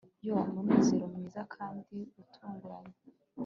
yoo! umunezero mwiza kandi utunguranye